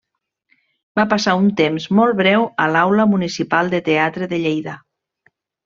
Va passar un temps molt breu a l'Aula Municipal de Teatre de Lleida.